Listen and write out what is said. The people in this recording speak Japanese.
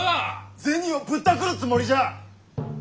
銭をぶったくるつもりじゃ！